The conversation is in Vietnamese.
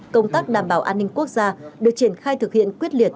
công tác đảm bảo an ninh quốc gia được triển khai thực hiện quyết liệt